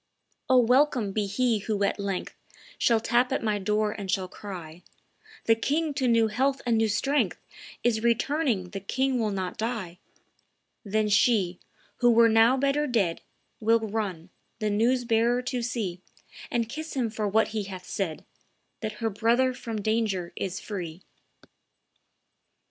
"O, welcome be he who at length Shall tap at my door and shall cry, 'The king to new health and new strength Is returning; the king will not die!' Then she, who were now better dead, Will run, the news bearer to see, And kiss him for what he hath said, That her brother from danger is free."